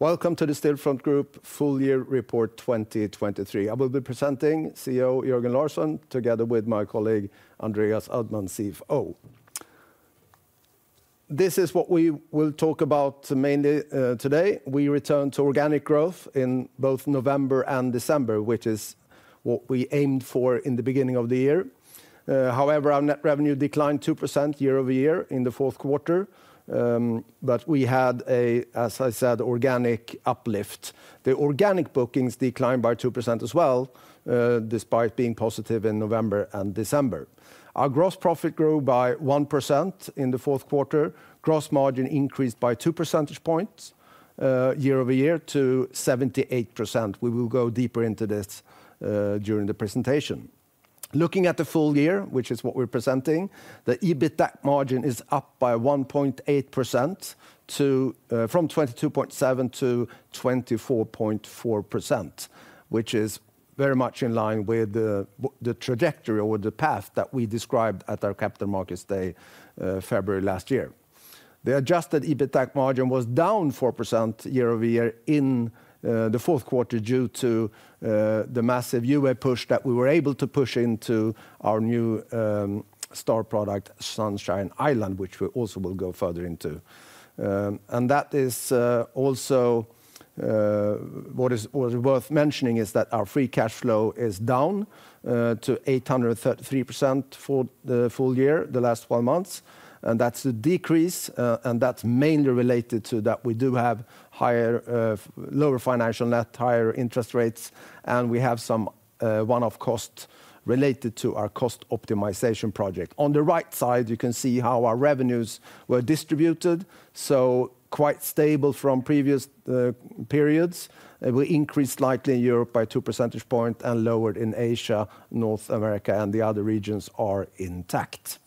Welcome to the Stillfront Group Full Year Report 2023. I will be presenting CEO, Jörgen Larsson, together with my colleague, Andreas Uddman, CFO. This is what we will talk about mainly, today. We returned to organic growth in both November and December, which is what we aimed for in the beginning of the year. However, our net revenue declined 2% year-over-year in the fourth quarter, but we had a, as I said, organic uplift. The organic bookings declined by 2% as well, despite being positive in November and December. Our gross profit grew by 1% in the fourth quarter. Gross margin increased by 2 percentage points, year-over-year to 78%. We will go deeper into this, during the presentation. Looking at the full year, which is what we're presenting, the EBITDA margin is up by 1.8% from 22.7%-24.4%, which is very much in line with the trajectory or the path that we described at our Capital Markets Day, February last year. The adjusted EBITDA margin was down 4% year-over-year in the fourth quarter, due to the massive UA push that we were able to push into our new star product, Sunshine Island, which we also will go further into. And that is also what is worth mentioning is that our free cash flow is down to 833% for the full year, the last 12 months, and that's a decrease. That's mainly related to that we do have higher, lower financial net, higher interest rates, and we have some one-off costs related to our cost optimization project. On the right side, you can see how our revenues were distributed, so quite stable from previous periods. We increased slightly in Europe by 2 percentage point and lowered in Asia. North America and the other regions are intact.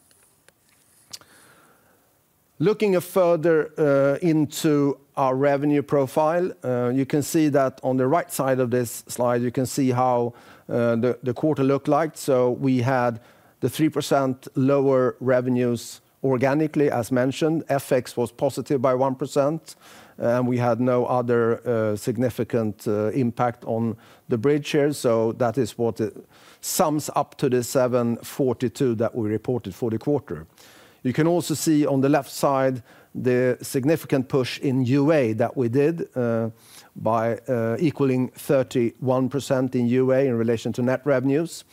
Looking further into our revenue profile, you can see that on the right side of this slide, you can see how the quarter looked like. So we had 3% lower revenues organically, as mentioned. FX was positive by 1%, and we had no other significant impact on the bridge here, so that is what it sums up to 742 that we reported for the quarter. You can also see on the left side, the significant push in UA that we did, by equaling 31% in UA in relation to net revenues.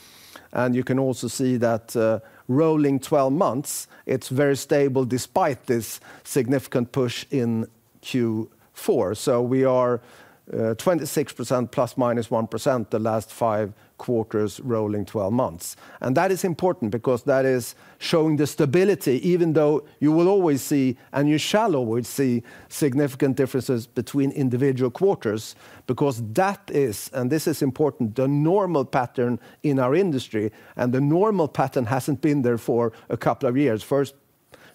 And you can also see that, rolling 12 months, it's very stable, despite this significant push in Q4. So we are 26%, ±1%, the last five quarters, rolling 12 months. And that is important because that is showing the stability, even though you will always see, and you shall always see, significant differences between individual quarters, because that is, and this is important, the normal pattern in our industry, and the normal pattern hasn't been there for a couple of years. First,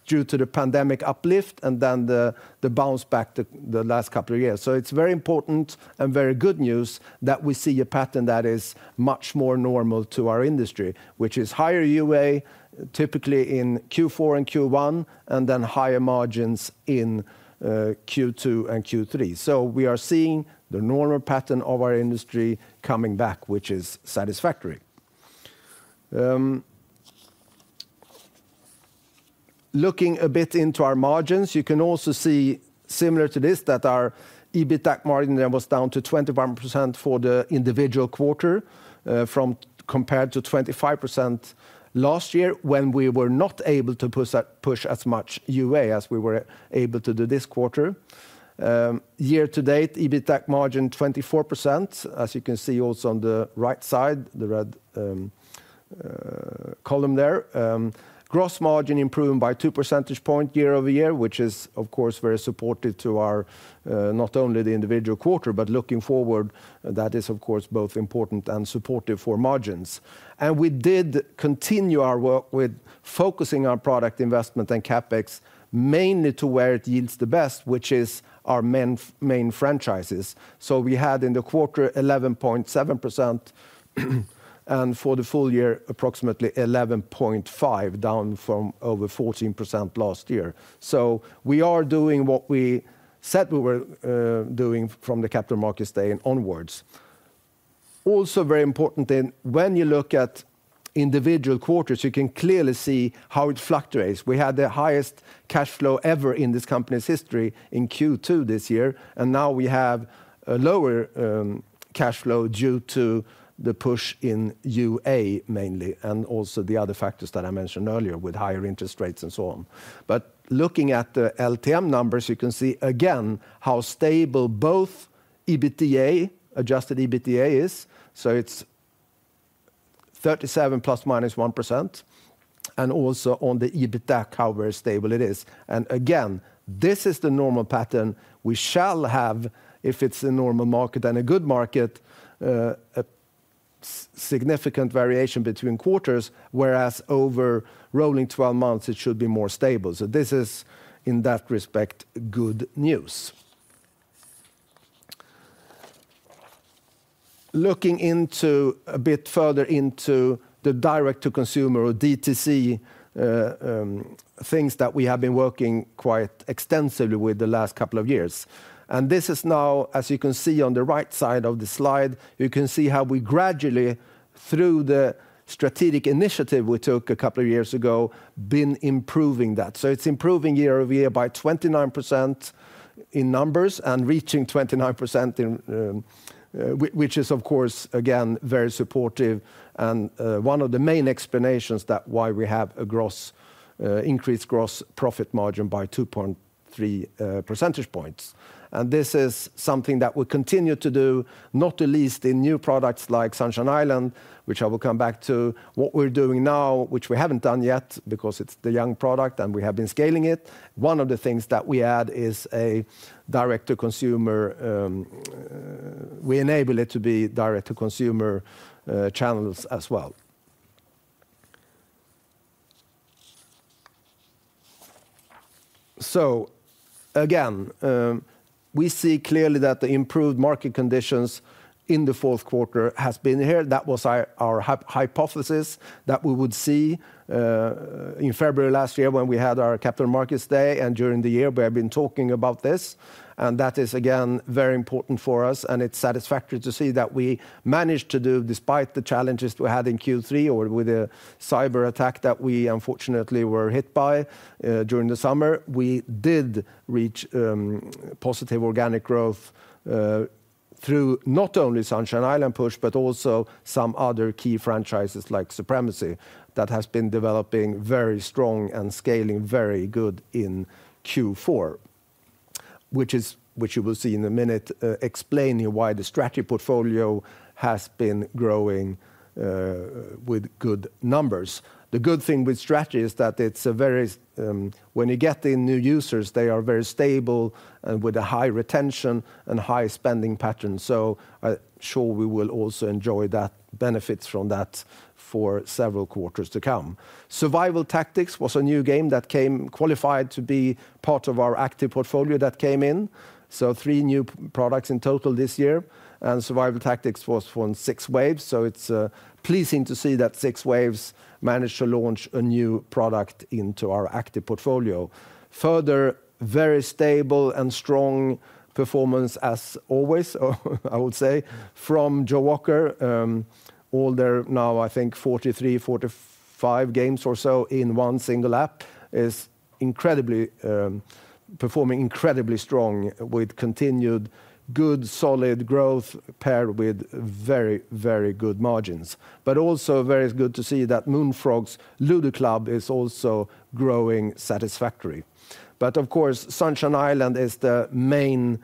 due to the pandemic uplift, and then the bounce back the last couple of years. So it's very important and very good news that we see a pattern that is much more normal to our industry, which is higher UA, typically in Q4 and Q1, and then higher margins in Q2 and Q3. So we are seeing the normal pattern of our industry coming back, which is satisfactory. Looking a bit into our margins, you can also see, similar to this, that our EBITDA margin there was down to 21% for the individual quarter, compared to 25% last year, when we were not able to push that, push as much UA as we were able to do this quarter. Year-to-date, EBITDA margin 24%, as you can see also on the right side, the red column there. Gross margin improved by 2 percentage points year-over-year, which is, of course, very supportive to our not only the individual quarter, but looking forward, that is, of course, both important and supportive for margins. We did continue our work with focusing our product investment and CapEx mainly to where it yields the best, which is our main franchises. We had in the quarter 11.7%, and for the full year, approximately 11.5%, down from over 14% last year. We are doing what we said we were doing from the Capital Markets Day and onwards. Also very important, then, when you look at individual quarters, you can clearly see how it fluctuates. We had the highest cash flow ever in this company's history in Q2 this year, and now we have a lower cash flow due to the push in UA mainly, and also the other factors that I mentioned earlier, with higher interest rates and so on. But looking at the LTM numbers, you can see again how stable both EBITDA, adjusted EBITDA is, so it's 37 ±1%, and also on the EBITDA, how very stable it is. Again, this is the normal pattern we shall have if it's a normal market and a good market, a significant variation between quarters, whereas over rolling 12 months, it should be more stable. So this is, in that respect, good news. Looking into a bit further into the direct-to-consumer, or DTC, things that we have been working quite extensively with the last couple of years. This is now, as you can see on the right side of the slide, you can see how we gradually, through the strategic initiative we took a couple of years ago, been improving that. So it's improving year-over-year by 29% in numbers and reaching 29% in, which is, of course, again, very supportive and, one of the main explanations that why we have a gross, increased gross profit margin by 2.3 percentage points. And this is something that we'll continue to do, not the least in new products like Sunshine Island, which I will come back to. What we're doing now, which we haven't done yet because it's the young product and we have been scaling it, one of the things that we add is a direct-to-consumer. We enable it to be direct-to-consumer channels as well. So again, we see clearly that the improved market conditions in the fourth quarter has been here. That was our hypothesis, that we would see in February last year when we had our Capital Markets Day and during the year we have been talking about this, and that is, again, very important for us, and it's satisfactory to see that we managed to do despite the challenges we had in Q3 or with the cyberattack that we unfortunately were hit by during the summer. We did reach positive organic growth through not only Sunshine Island push, but also some other key franchises like Supremacy, that has been developing very strong and scaling very good in Q4, which you will see in a minute, explaining why the strategy portfolio has been growing with good numbers. The good thing with strategy is that it's a very when you get the new users, they are very stable and with a high retention and high spending pattern, so I'm sure we will also enjoy that benefits from that for several quarters to come. Survival Tactics was a new game that came qualified to be part of our active portfolio that came in, so three new products in total this year, and Survival Tactics was from 6waves, so it's pleasing to see that 6waves managed to launch a new product into our active portfolio. Further, very stable and strong performance as always, I would say, from Jawaker. All their now, I think 43, 45 games or so in one single app is incredibly performing incredibly strong, with continued good, solid growth paired with very, very good margins. But also very good to see that Moonfrog's Ludo Club is also growing satisfactory. But of course, Sunshine Island is the main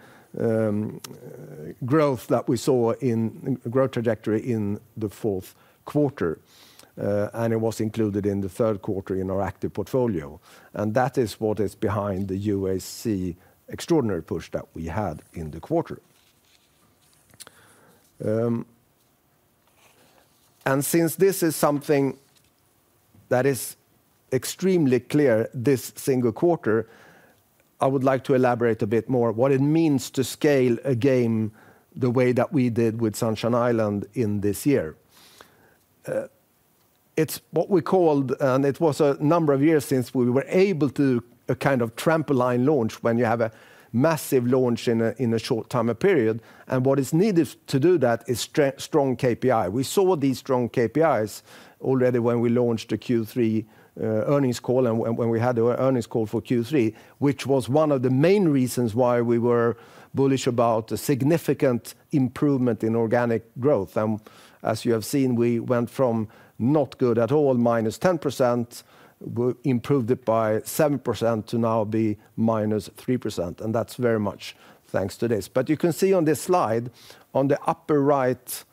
growth that we saw in growth trajectory in the fourth quarter, and it was included in the third quarter in our active portfolio, and that is what is behind the UAC extraordinary push that we had in the quarter. Since this is something that is extremely clear this single quarter, I would like to elaborate a bit more what it means to scale a game the way that we did with Sunshine Island in this year. It's what we called, and it was a number of years since we were able to a kind of trampoline launch, when you have a massive launch in a, in a short time or period, and what is needed to do that is strong KPI. We saw these strong KPIs already when we launched the Q3 earnings call and when we had the earnings call for Q3, which was one of the main reasons why we were bullish about the significant improvement in organic growth. As you have seen, we went from not good at all, -10%, we improved it by 7%, to now be -3%, and that's very much thanks to this. But you can see on this slide, on the upper right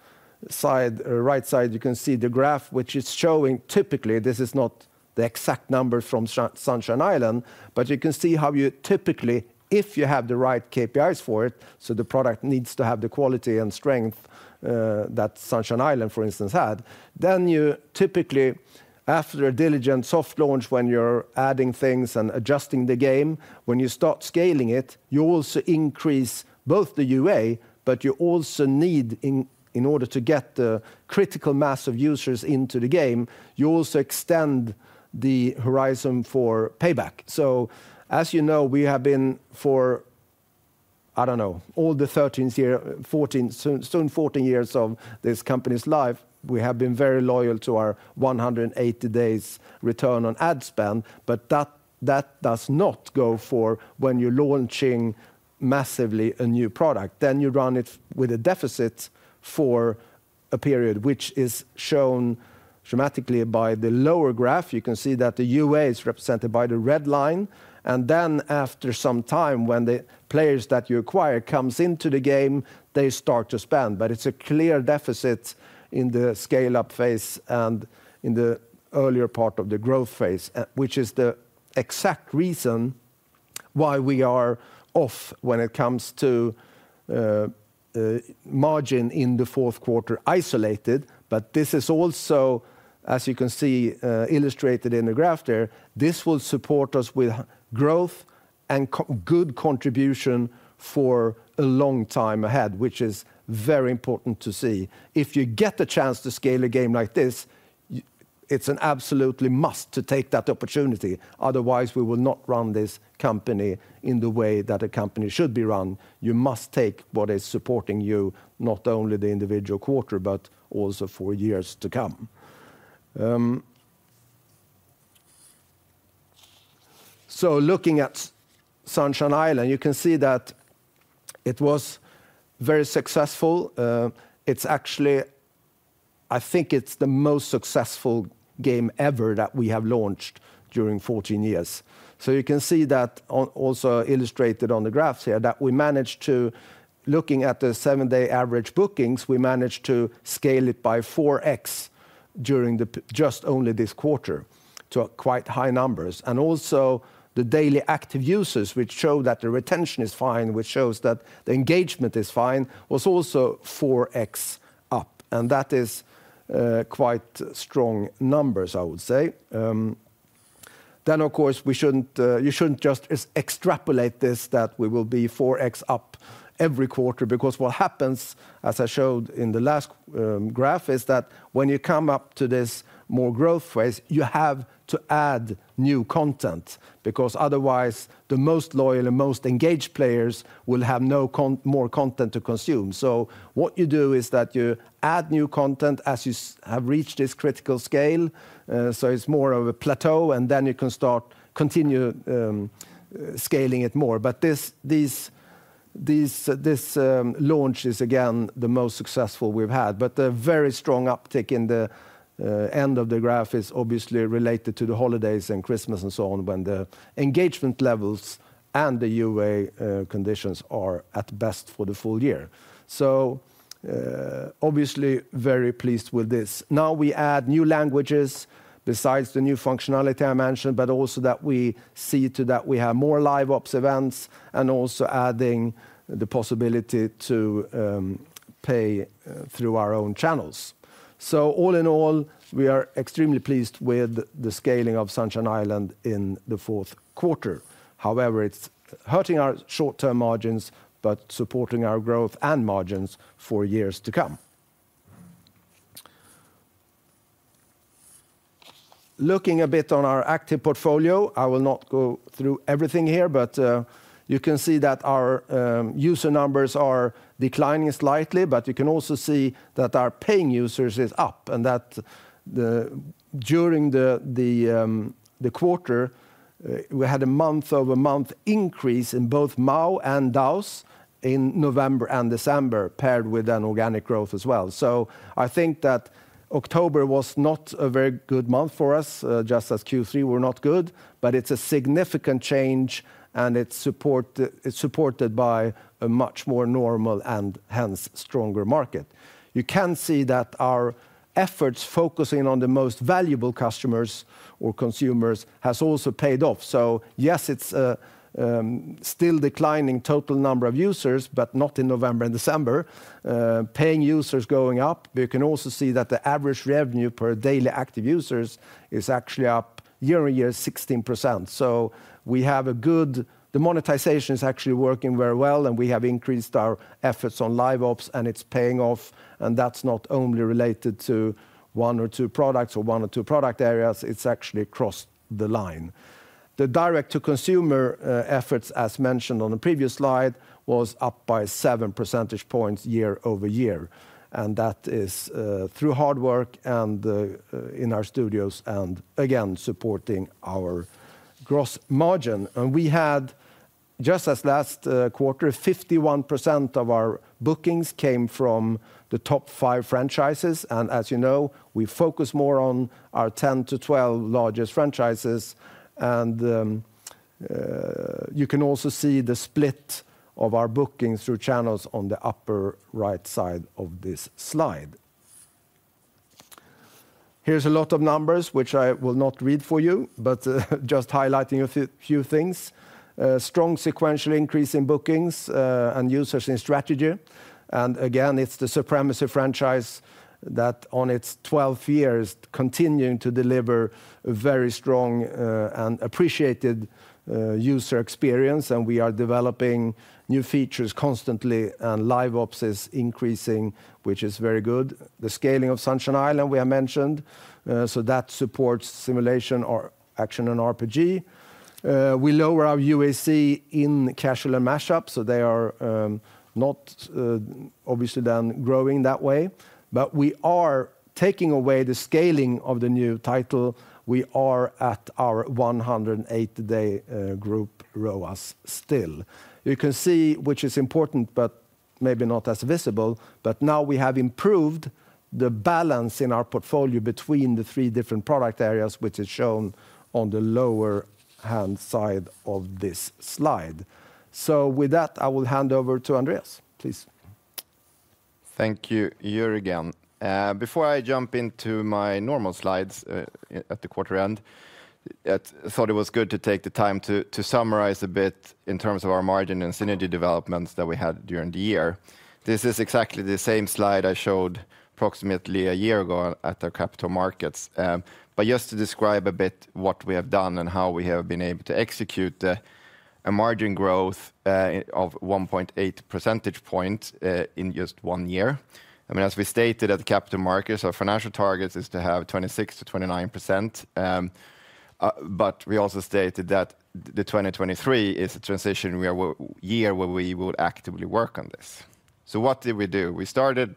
side, right side, you can see the graph, which is showing typically, this is not the exact number from Sunshine Island, but you can see how you typically, if you have the right KPIs for it, so the product needs to have the quality and strength that Sunshine Island, for instance, had, then you typically, after a diligent soft launch, when you're adding things and adjusting the game, when you start scaling it, you also increase both the UA, but you also need in order to get the critical mass of users into the game, you also extend the horizon for payback. So as you know, we have been for, I don't know, all the 13th year, 14th, soon, soon 14 years of this company's life, we have been very loyal to our 180 days return on ad spend, but that, that does not go for when you're launching massively a new product. Then you run it with a deficit for a period, which is shown dramatically by the lower graph. You can see that the UA is represented by the red line, and then after some time, when the players that you acquire comes into the game, they start to spend. But it's a clear deficit in the scale-up phase and in the earlier part of the growth phase, which is the exact reason why we are off when it comes to margin in the fourth quarter isolated. But this is also, as you can see, illustrated in the graph there, this will support us with growth, and good contribution for a long time ahead, which is very important to see. If you get the chance to scale a game like this, it's an absolute must to take that opportunity, otherwise we will not run this company in the way that a company should be run. You must take what is supporting you, not only the individual quarter, but also for years to come. So looking at Sunshine Island, you can see that it was very successful. It's actually, I think it's the most successful game ever that we have launched during 14 years. So you can see that on also illustrated on the graphs here, that we managed to, looking at the seven-day average bookings, we managed to scale it by 4x during just only this quarter, to quite high numbers. And also, the daily active users, which show that the retention is fine, which shows that the engagement is fine, was also 4x up, and that is quite strong numbers, I would say. Then, of course, we shouldn't you shouldn't just extrapolate this, that we will be 4x up every quarter, because what happens, as I showed in the last graph, is that when you come up to this more growth phase, you have to add new content, because otherwise the most loyal and most engaged players will have no more content to consume. So what you do is that you add new content as you have reached this critical scale, so it's more of a plateau, and then you can start continue scaling it more. But this launch is, again, the most successful we've had. But the very strong uptick in the end of the graph is obviously related to the holidays and Christmas and so on, when the engagement levels and the UA conditions are at best for the full year. So, obviously, very pleased with this. Now, we add new languages besides the new functionality I mentioned, but also that we see to that we have more LiveOps events, and also adding the possibility to pay through our own channels. So all in all, we are extremely pleased with the scaling of Sunshine Island in the fourth quarter. However, it's hurting our short-term margins, but supporting our growth and margins for years to come. Looking a bit on our active portfolio, I will not go through everything here, but you can see that our user numbers are declining slightly, but you can also see that our paying users is up, and that during the quarter we had a month-over-month increase in both MAU and DAUs in November and December, paired with an organic growth as well. So I think that October was not a very good month for us, just as Q3 were not good, but it's a significant change, and it's supported by a much more normal and hence stronger market. You can see that our efforts focusing on the most valuable customers or consumers has also paid off. So yes, it's still declining total number of users, but not in November and December. Paying users going up. We can also see that the average revenue per daily active users is actually up year-on-year 16%, so we have a good, the monetization is actually working very well, and we have increased our efforts on LiveOps, and it's paying off, and that's not only related to one or two products or one or two product areas, it's actually across the line. The direct-to-consumer efforts, as mentioned on the previous slide, was up by 7 percentage points year-over-year, and that is through hard work and in our studios and, again, supporting our gross margin. We had, just as last quarter, 51% of our bookings came from the top five franchises, and as you know, we focus more on our 10-12 largest franchises. You can also see the split of our bookings through channels on the upper right side of this slide. Here's a lot of numbers which I will not read for you, but just highlighting a few things. Strong sequential increase in bookings and users in strategy, and again, it's the Supremacy franchise that on its 12 years continuing to deliver a very strong and appreciated user experience, and we are developing new features constantly, and LiveOps is increasing, which is very good. The scaling of Sunshine Island we have mentioned, so that supports simulation or action and RPG. We lower our UAC in casual and mashup, so they are not obviously then growing that way. But we are taking away the scaling of the new title. We are at our 108-day group ROAS still. You can see, which is important, but maybe not as visible, but now we have improved the balance in our portfolio between the three different product areas, which is shown on the lower-hand side of this slide. So with that, I will hand over to Andreas, please. Thank you, Jörgen. Before I jump into my normal slides, at the quarter end, I thought it was good to take the time to summarize a bit in terms of our margin and synergy developments that we had during the year. This is exactly the same slide I showed approximately a year ago at the Capital Markets. But just to describe a bit what we have done and how we have been able to execute a margin growth of 1.8 percentage point in just one year. I mean, as we stated at the Capital Markets, our financial targets is to have 26%-29%. But we also stated that the 2023 is a transition year where we will actively work on this. So what did we do? We started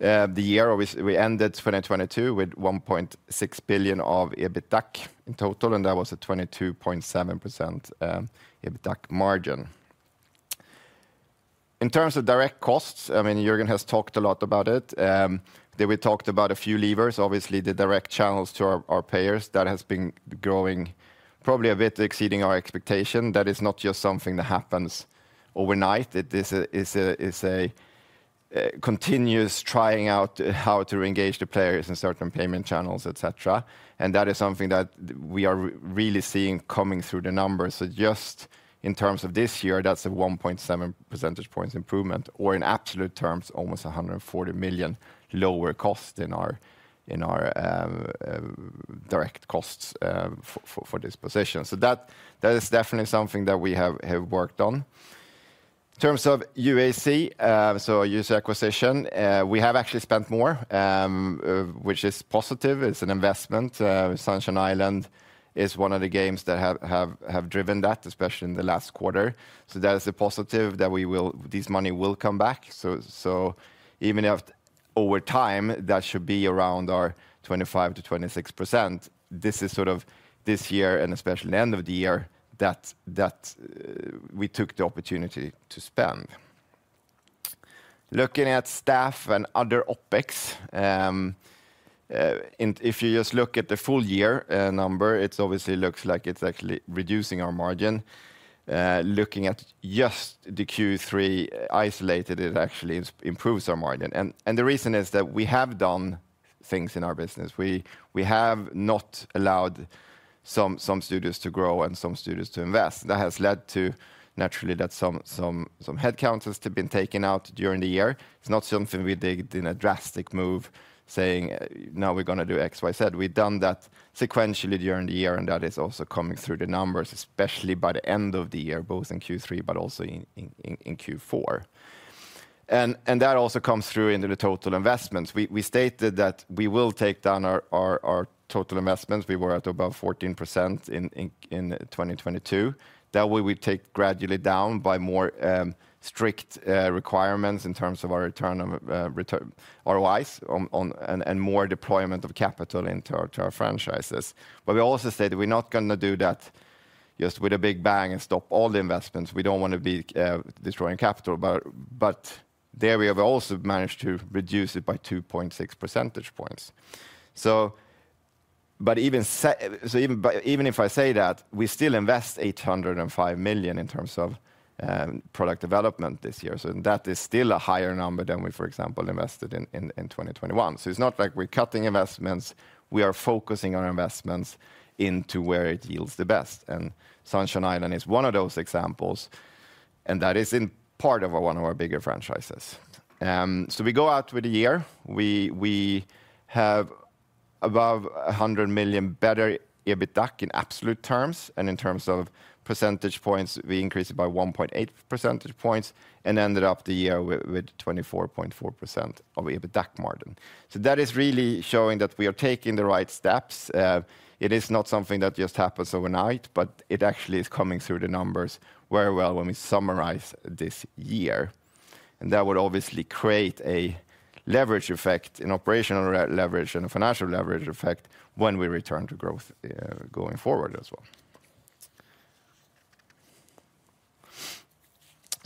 the year, or we ended 2022 with 1.6 billion of EBITDAC in total, and that was a 22.7% EBITDAC margin. In terms of direct costs, I mean, Jörgen has talked a lot about it. Then we talked about a few levers, obviously, the direct channels to our players that has been growing probably a bit exceeding our expectation. That is not just something that happens overnight. It is a continuous trying out how to engage the players in certain payment channels, et cetera. And that is something that we are really seeing coming through the numbers. So just in terms of this year, that's a 1.7 percentage points improvement, or in absolute terms, almost 140 million lower cost in our direct costs for this position. So that is definitely something that we have worked on. In terms of UAC, so our user acquisition, we have actually spent more, which is positive. It's an investment. Sunshine Island is one of the games that have driven that, especially in the last quarter. So that is a positive that we will—this money will come back. So even if over time, that should be around our 25%-26%, this is sort of this year and especially the end of the year, that we took the opportunity to spend. Looking at staff and other OpEx, and if you just look at the full year, number, it obviously looks like it's actually reducing our margin. Looking at just the Q3 isolated, it actually improves our margin. And the reason is that we have done things in our business. We have not allowed some studios to grow and some studios to invest. That has led to, naturally, that some headcounts has to been taken out during the year. It's not something we did in a drastic move, saying, "Now we're gonna do X, Y, Z." We've done that sequentially during the year, and that is also coming through the numbers, especially by the end of the year, both in Q3, but also in Q4. And that also comes through into the total investments. We stated that we will take down our total investments. We were at above 14% in 2022. That we will take gradually down by more strict requirements in terms of our return ROIs on and more deployment of capital into our franchises. But we also said we're not gonna do that just with a big bang and stop all the investments. We don't want to be destroying capital, but there we have also managed to reduce it by 2.6 percentage points. So, but even if I say that, we still invest 805 million in terms of product development this year. So that is still a higher number than we, for example, invested in 2021. So it's not like we're cutting investments, we are focusing on investments into where it yields the best. And Sunshine Island is one of those examples, and that is in part of one of our bigger franchises. So we go out with a year. We have above 100 million better EBITDAC in absolute terms, and in terms of percentage points, we increased it by 1.8 percentage points and ended up the year with 24.4% EBITDAC margin. So that is really showing that we are taking the right steps. It is not something that just happens overnight, but it actually is coming through the numbers very well when we summarize this year. And that would obviously create a leverage effect, an operational leverage and a financial leverage effect when we return to growth, going forward as well.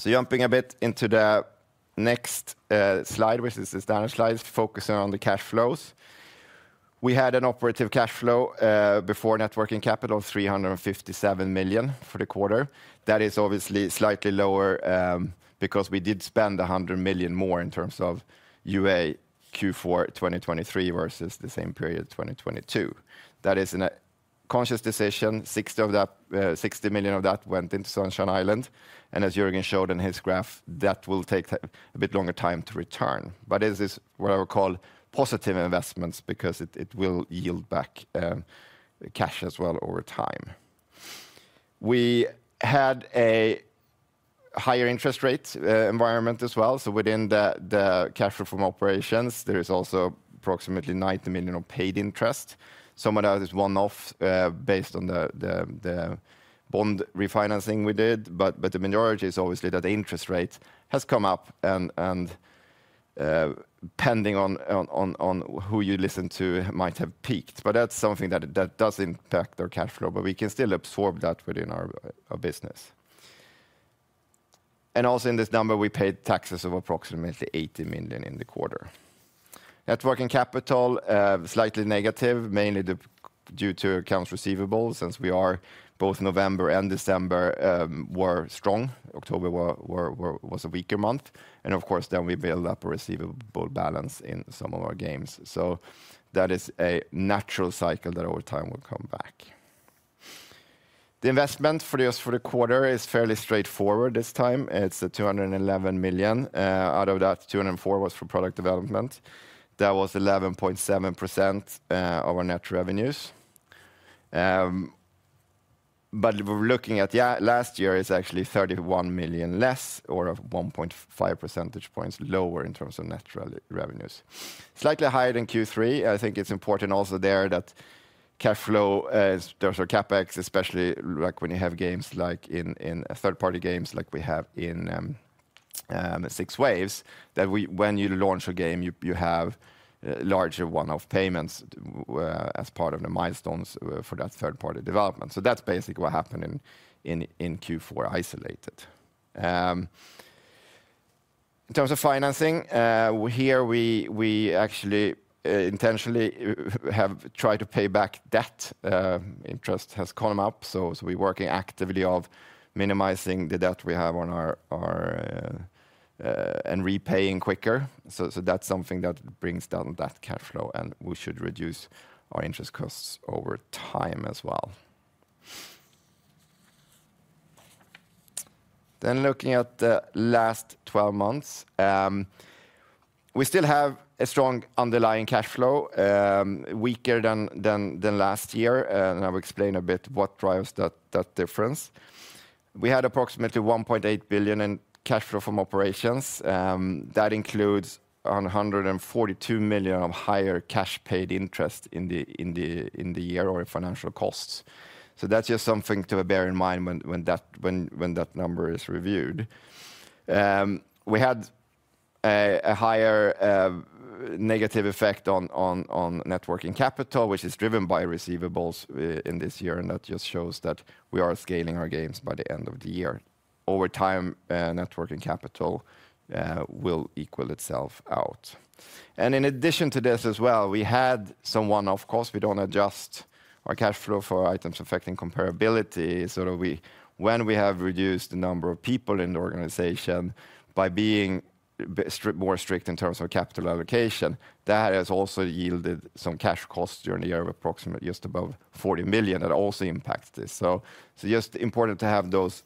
Jumping a bit into the next slide, which is this data slide, focusing on the cash flows. We had an operating cash flow before net working capital, 357 million for the quarter. That is obviously slightly lower because we did spend 100 million more in terms of UA Q4 2023 versus the same period, 2022. That is a conscious decision. 60 million of that went into Sunshine Island, and as Jörgen showed in his graph, that will take a bit longer time to return. But this is what I would call positive investments because it will yield back the cash as well over time. We had a higher interest rate environment as well. So within the cash flow from operations, there is also approximately 90 million of paid interest. Some of that is one-off, based on the bond refinancing we did, but the majority is obviously that the interest rate has come up and depending on who you listen to, might have peaked. But that's something that does impact our cash flow, but we can still absorb that within our business. And also in this number, we paid taxes of approximately 80 million in the quarter. Net working capital, slightly negative, mainly due to accounts receivable, since both November and December were strong. October was a weaker month, and of course, then we build up a receivable balance in some of our games. So that is a natural cycle that over time will come back. The investment just for the quarter is fairly straightforward this time. It's 211 million. Out of that, 204 million was for product development. That was 11.7% of our net revenues. But we're looking at, yeah, last year is actually 31 million less or 1.5 percentage points lower in terms of net revenues. Slightly higher than Q3. I think it's important also there that cash flow, as there is our CapEx, especially like when you have games like in third-party games like we have in 6waves, that when you launch a game, you have larger one-off payments as part of the milestones for that third-party development. So that's basically what happened in Q4 isolated. In terms of financing here, we actually intentionally have tried to pay back debt. Interest has come up, so we're working actively of minimizing the debt we have on our and repaying quicker. So that's something that brings down that cash flow, and we should reduce our interest costs over time as well. Then looking at the last 12 months, we still have a strong underlying cash flow, weaker than last year, and I will explain a bit what drives that difference. We had approximately 1.8 billion in cash flow from operations. That includes 142 million of higher cash paid interest in the year or in financial costs. So that's just something to bear in mind when that number is reviewed. We had a higher negative effect on net working capital, which is driven by receivables in this year, and that just shows that we are scaling our games by the end of the year. Over time, net working capital will equal itself out. In addition to this as well, of course, we don't adjust our cash flow for items affecting comparability. So when we have reduced the number of people in the organization by being more strict in terms of capital allocation, that has also yielded some cash costs during the year of approximately just above 40 million. That also impacts this. So just important to have those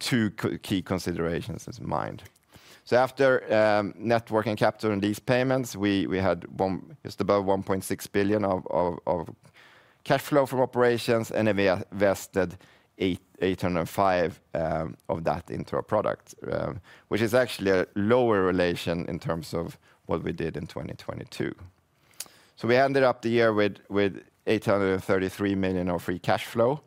two key considerations in mind. So after net working capital and these payments, we had just above 1.6 billion of cash flow from operations, and we invested 805 of that into our product, which is actually a lower relation in terms of what we did in 2022. So we ended up the year with 833 million of free cash flow,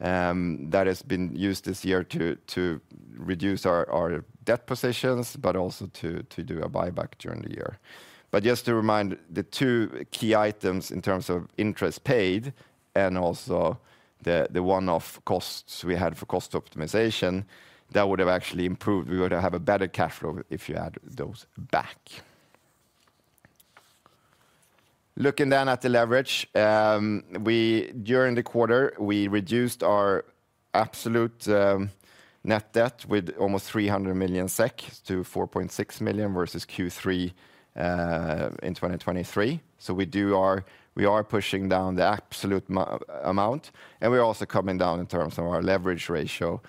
that has been used this year to reduce our debt positions, but also to do a buyback during the year. But just to remind, the two key items in terms of interest paid and also the one-off costs we had for cost optimization, that would have actually improved. We would have a better cash flow if you add those back. Looking then at the leverage, during the quarter, we reduced our absolute net debt with almost 300 million-4.6 million SEK versus Q3 2023. So we are pushing down the absolute amount, and we're also coming down in terms of our leverage ratio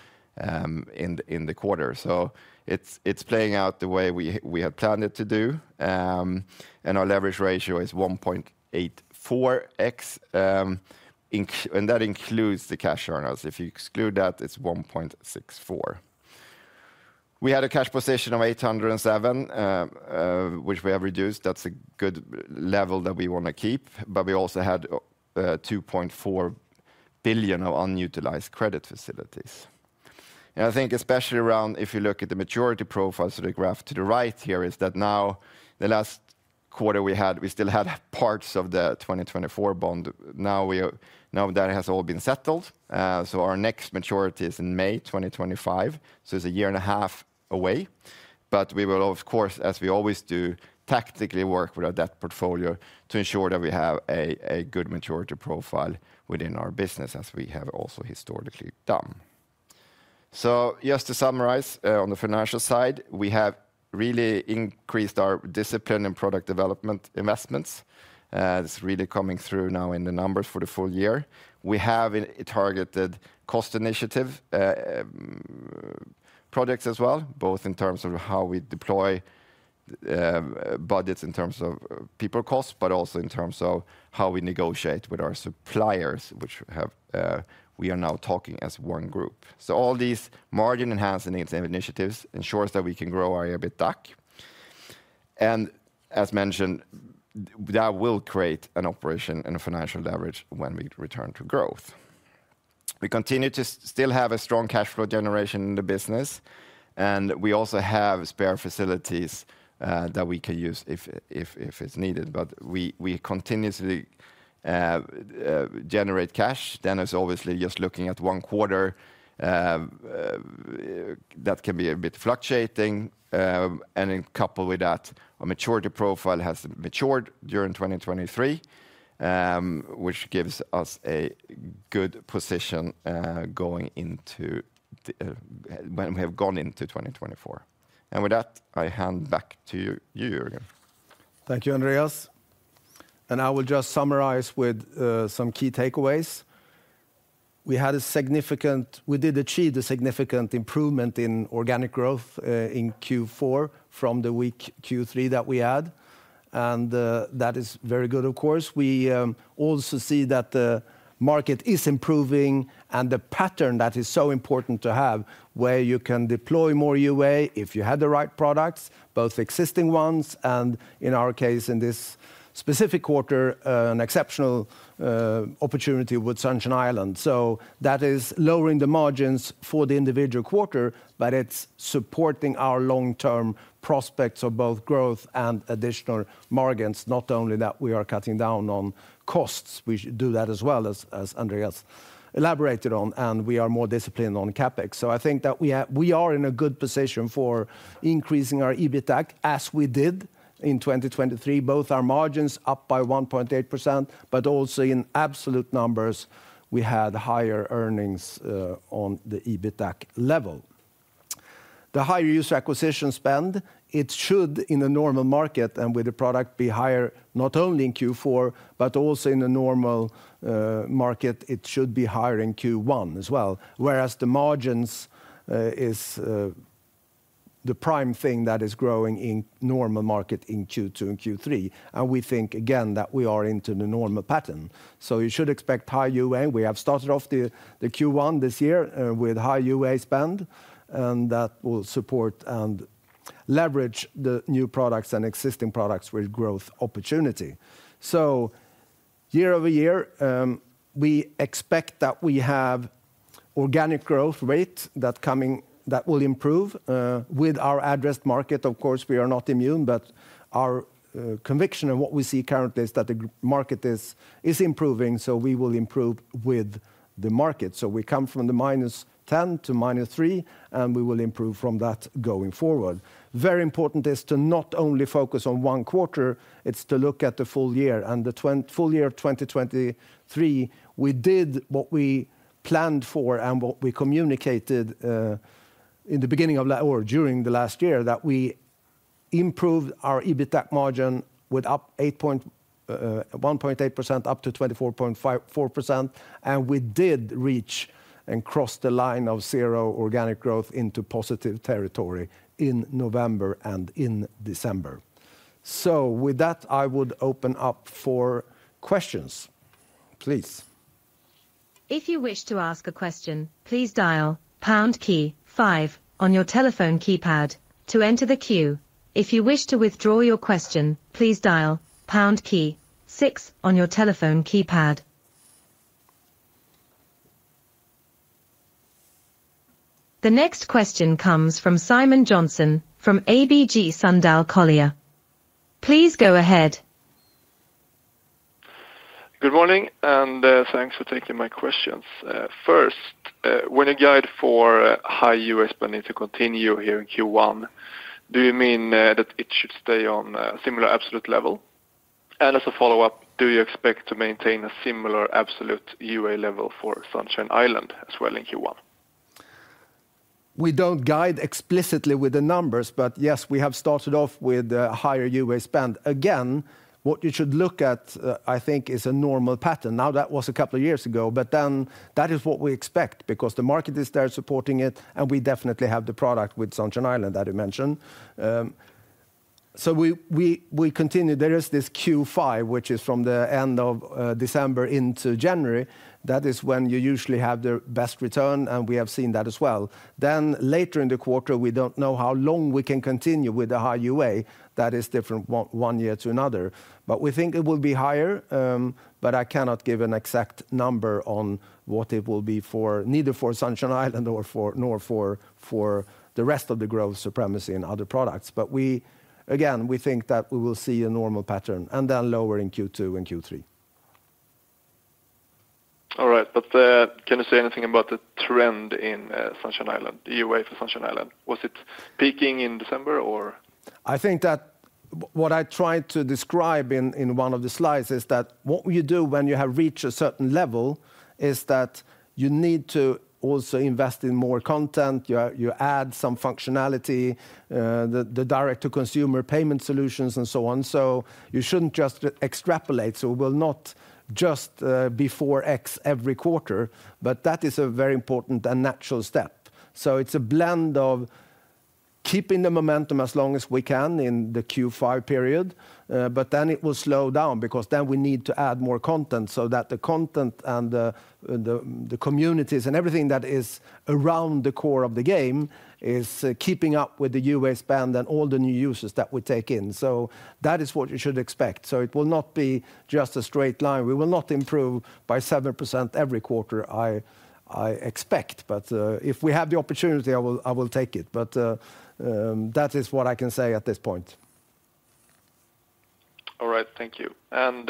in the quarter. So it's playing out the way we had planned it to do, and our leverage ratio is 1.84x, and that includes the cash earn-outs. If you exclude that, it's 1.64x. We had a cash position of 807 million, which we have reduced. That's a good level that we want to keep, but we also had 2.4 billion of unutilized credit facilities. I think especially around if you look at the maturity profiles of the graph to the right here, is that now the last quarter we had, we still had parts of the 2024 bond. Now that has all been settled, so our next maturity is in May 2025, so it's a year and a half away. But we will of course, as we always do, tactically work with our debt portfolio to ensure that we have a good maturity profile within our business, as we have also historically done. So just to summarize, on the financial side, we have really increased our discipline and product development investments. It's really coming through now in the numbers for the full year. We have a targeted cost initiative, projects as well, both in terms of how we deploy budgets in terms of people costs, but also in terms of how we negotiate with our suppliers, we are now talking as one group. So all these margin-enhancing initiatives ensures that we can grow our EBITDAC. And as mentioned, that will create an operation and a financial leverage when we return to growth. We continue to still have a strong cash flow generation in the business, and we also have spare facilities that we can use if it's needed. But we continuously generate cash. It's obviously just looking at one quarter, that can be a bit fluctuating, and then coupled with that, our maturity profile has matured during 2023, which gives us a good position, going into the, when we have gone into 2024. And with that, I hand back to you, Jörgen. Thank you, Andreas, and I will just summarize with some key takeaways. We had a significant—we did achieve the significant improvement in organic growth in Q4 from the weak Q3 that we had, and that is very good, of course. We also see that the market is improving, and the pattern that is so important to have, where you can deploy more UA if you had the right products, both existing ones and, in our case, in this specific quarter, an exceptional opportunity with Sunshine Island. So that is lowering the margins for the individual quarter, but it's supporting our long-term prospects of both growth and additional margins. Not only that, we are cutting down on costs. We should do that as well as, as Andreas elaborated on, and we are more disciplined on CapEx. So I think that we are, we are in a good position for increasing our EBITDAC, as we did in 2023. Both our margins up by 1.8%, but also in absolute numbers, we had higher earnings on the EBITDAC level. The higher user acquisition spend, it should, in a normal market and with the product, be higher, not only in Q4, but also in a normal market, it should be higher in Q1 as well, whereas the margins is the prime thing that is growing in normal market in Q2 and Q3, and we think, again, that we are into the normal pattern. So you should expect high UA. We have started off the Q1 this year with high UA spend, and that will support and leverage the new products and existing products with growth opportunity. So year-over-year, we expect that we have organic growth rate that will improve. With our addressed market, of course, we are not immune, but our conviction and what we see currently is that the market is improving, so we will improve with the market. So we come from the -10% to -3%, and we will improve from that going forward. Very important is to not only focus on one quarter, it's to look at the full year. And the full year of 2023, we did what we planned for and what we communicated in the beginning of or during the last year, that we improved our EBITDAC margin with up 1.8%, up to 24.4%, and we did reach and cross the line of zero organic growth into positive territory in November and in December. So with that, I would open up for questions. Please. If you wish to ask a question, please dial pound key five on your telephone keypad to enter the queue. If you wish to withdraw your question, please dial pound key six on your telephone keypad. The next question comes from Simon Jönsson from ABG Sundal Collier. Please go ahead. Good morning, and thanks for taking my questions. First, when you guide for high UA spending to continue here in Q1, do you mean that it should stay on similar absolute level? And as a follow-up, do you expect to maintain a similar absolute UA level for Sunshine Island as well in Q1? We don't guide explicitly with the numbers, but yes, we have started off with a higher UA spend. Again, what you should look at, I think, is a normal pattern. Now, that was a couple of years ago, but then that is what we expect, because the market is there supporting it, and we definitely have the product with Sunshine Island, that you mentioned. So we, we, we continue. There is this Q5, which is from the end of December into January. That is when you usually have the best return, and we have seen that as well. Then later in the quarter, we don't know how long we can continue with the high UA. That is different one, one year to another. But we think it will be higher, but I cannot give an exact number on what it will be for neither for Sunshine Island nor for the rest of the growth Supremacy in other products. But we, again, we think that we will see a normal pattern, and then lower in Q2 and Q3. All right. But, can you say anything about the trend in, Sunshine Island, the UA for Sunshine Island? Was it peaking in December, or? I think that what I tried to describe in one of the slides is that what you do when you have reached a certain level is that you need to also invest in more content, you add some functionality, the direct-to-consumer payment solutions, and so on. So you shouldn't just extrapolate. So we will not just be 4x every quarter, but that is a very important and natural step. So it's a blend of keeping the momentum as long as we can in the Q5 period, but then it will slow down, because then we need to add more content so that the content and the communities and everything that is around the core of the game is keeping up with the UA spend and all the new users that we take in. So that is what you should expect. So it will not be just a straight line. We will not improve by 7% every quarter, I, I expect, but, that is what I can say at this point. All right. Thank you. And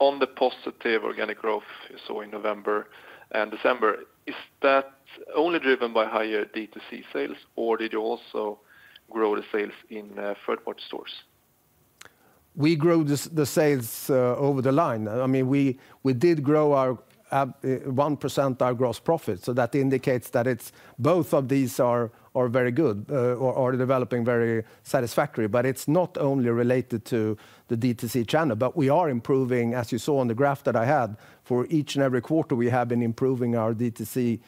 on the positive organic growth you saw in November and December, is that only driven by higher D2C sales, or did you also grow the sales in third-party stores? We grow the sales over the line. I mean, we did grow our 1% our gross profit, so that indicates that it's both of these are very good or developing very satisfactory. But it's not only related to the DTC channel, but we are improving, as you saw on the graph that I had. For each and every quarter, we have been improving our DTC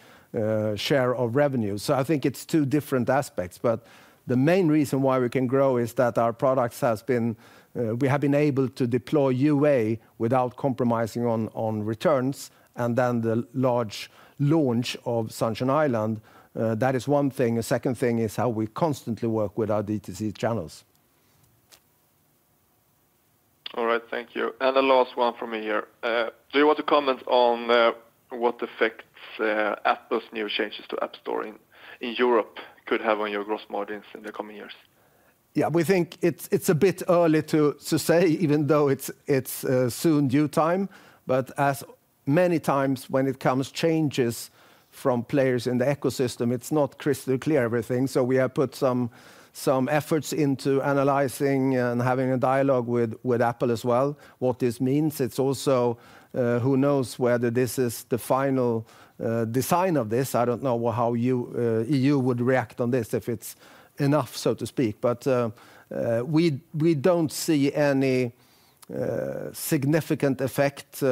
share of revenue. So I think it's two different aspects, but the main reason why we can grow is that our products has been we have been able to deploy UA without compromising on returns, and then the large launch of Sunshine Island that is one thing. The second thing is how we constantly work with our DTC channels. All right, thank you. And the last one from me here. Do you want to comment on what effects Apple's new changes to App Store in Europe could have on your gross margins in the coming years? Yeah, we think it's a bit early to say, even though it's soon due time. But as many times when it comes changes from players in the ecosystem, it's not crystal clear, everything. So we have put some efforts into analyzing and having a dialogue with Apple as well, what this means. It's also, who knows whether this is the final design of this. I don't know how you would react on this, if it's enough, so to speak. But we don't see any significant effect,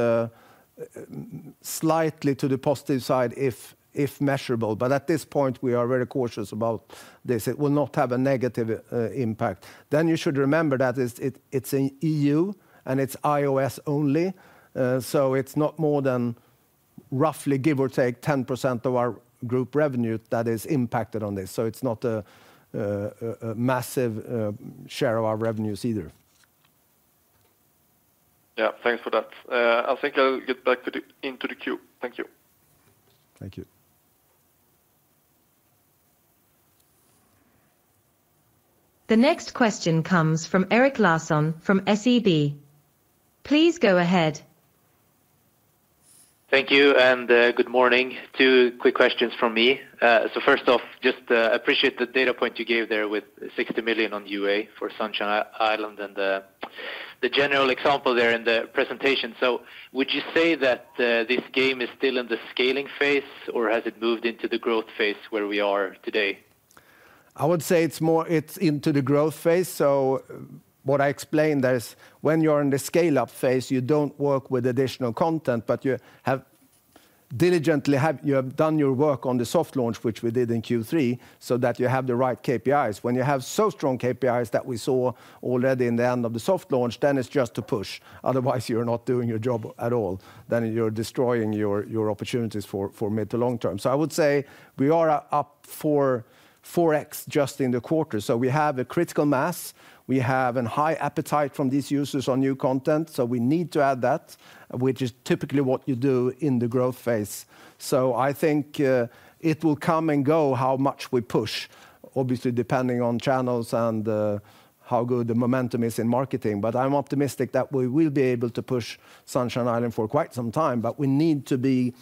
slightly to the positive side, if measurable, but at this point, we are very cautious about this. It will not have a negative impact. Then you should remember it's in E.U., and it's iOS only, so it's not more than roughly, give or take, 10% of our group revenue that is impacted on this, so it's not a massive share of our revenues either. Yeah, thanks for that. I think I'll get back into the queue. Thank you. Thank you. The next question comes from Erik Larsson from SEB. Please go ahead. Thank you, and, good morning. Two quick questions from me. So first off, just, appreciate the data point you gave there with 60 million on UA for Sunshine Island and the general example there in the presentation. So would you say that, this game is still in the scaling phase, or has it moved into the growth phase where we are today? I would say it's more, it's into the growth phase. So what I explained is when you're in the scale-up phase, you don't work with additional content, but you have diligently done your work on the soft launch, which we did in Q3, so that you have the right KPIs. When you have so strong KPIs that we saw already in the end of the soft launch, then it's just to push. Otherwise, you're not doing your job at all, then you're destroying your, your opportunities for, for mid to long term. So I would say we are up for 4x just in the quarter. So we have a critical mass, we have a high appetite from these users on new content, so we need to add that, which is typically what you do in the growth phase. So I think, it will come and go, how much we push, obviously, depending on channels and, how good the momentum is in marketing. But I'm optimistic that we will be able to push Sunshine Island for quite some time, but we need to be,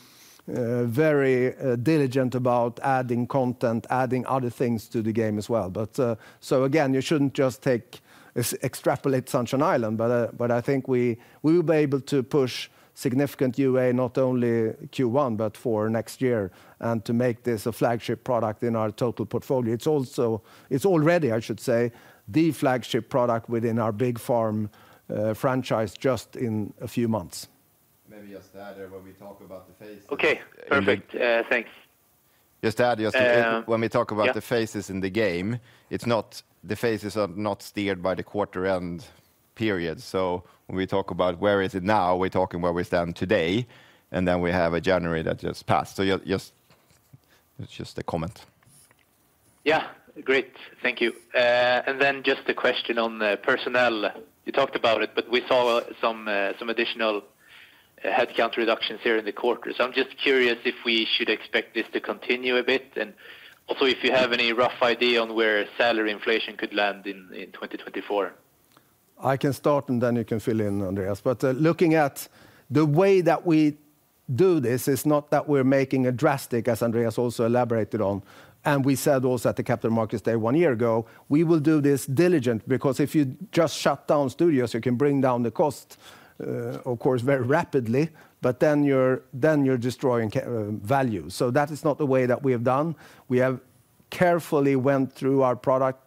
very, diligent about adding content, adding other things to the game as well. But, so again, you shouldn't just take extrapolate Sunshine Island, but, but I think we, we will be able to push significant UA, not only Q1, but for next year, and to make this a flagship product in our total portfolio. It's also-- It's already, I should say, the flagship product within our Big Farm franchise, just in a few months. Maybe just to add there, when we talk about the phases- Okay, perfect. Thanks. Just to add, yes. Uh, yeah. When we talk about the phases in the game, the phases are not steered by the quarter end period. So when we talk about where is it now, we're talking where we stand today, and then we have a January that just passed. So yeah, just, it's just a comment. Yeah, great. Thank you. And then just a question on the personnel. You talked about it, but we saw some additional headcount reductions here in the quarter. So I'm just curious if we should expect this to continue a bit, and also if you have any rough idea on where salary inflation could land in 2024. I can start, and then you can fill in, Andreas. But looking at the way that we do this, is not that we're making a drastic, as Andreas also elaborated on, and we said also at the Capital Markets Day one year ago, we will do this diligent, because if you just shut down studios, you can bring down the cost, of course, very rapidly, but then you're destroying value. So that is not the way that we have done. We have carefully went through our product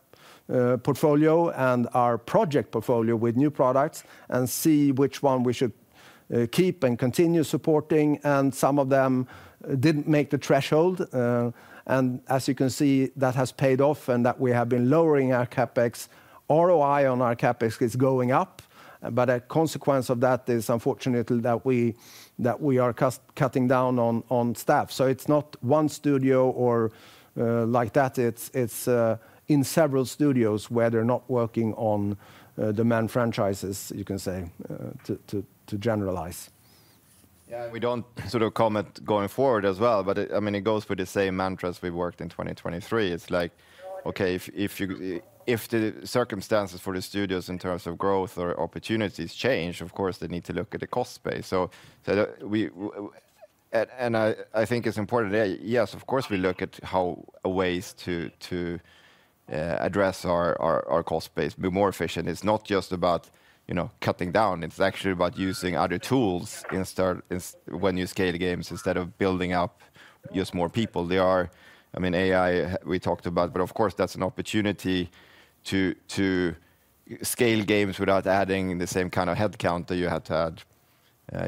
portfolio and our project portfolio with new products and see which one we should keep and continue supporting, and some of them didn't make the threshold. And as you can see, that has paid off and that we have been lowering our CapEx. ROI on our CapEx is going up, but a consequence of that is unfortunately that we are cost-cutting down on staff. So it's not one studio or like that. It's in several studios where they're not working on the main franchises, you can say, to generalize. Yeah, we don't sort of comment going forward as well, but it, I mean, it goes with the same mantras we worked in 2023. It's like, okay, if the circumstances for the studios in terms of growth or opportunities change, of course, they need to look at the cost base. So we and I think it's important, yes, of course, we look at ways to address our cost base, be more efficient. It's not just about, you know, cutting down, it's actually about using other tools in starting in scaling when you scale games, instead of building up just more people. I mean, AI, we talked about, but of course, that's an opportunity to scale games without adding the same kind of head count that you had to add